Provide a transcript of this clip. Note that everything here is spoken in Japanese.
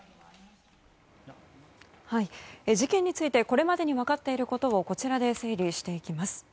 事件についてこれまでに分かっていることをこちらで整理していきます。